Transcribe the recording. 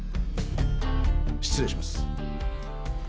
失礼します。